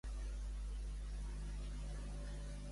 Tanca la porta i entra per on vulgues.